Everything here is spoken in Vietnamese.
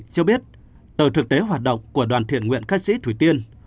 cho biết tờ thực tế hoạt động của đoàn thiện nguyện khách sĩ thủy tiên